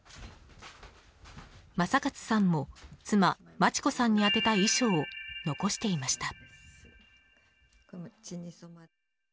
正勝さんも、妻・真知子さんに宛てた遺書を残していました。